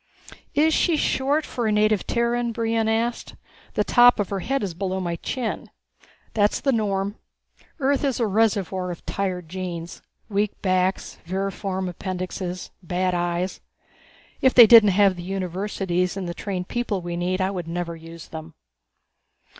"Is she short for a native Terran?" Brion asked. "The top of her head is below my chin." "That's the norm. Earth is a reservoir of tired genes. Weak backs, vermiform appendixes, bad eyes. If they didn't have the universities and the trained people we need I would never use them."